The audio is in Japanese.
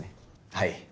はい。